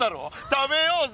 食べようぜ！